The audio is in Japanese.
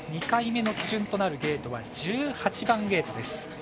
２回目の基準となるゲート１８番ゲートです。